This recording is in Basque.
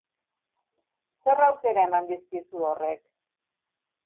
Zer aukera eman dizkizu horrek?